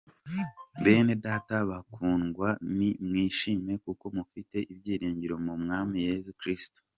Bene data bakundwa, ni "mwishime" kuko mufite ibyiringiro mu mwami yesu kristo.